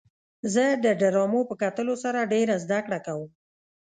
زه د ډرامو په کتلو سره ډېره زدهکړه کوم.